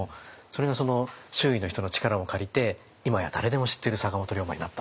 それが周囲の人の力を借りて今や誰でも知ってる坂本龍馬になったわけですよね。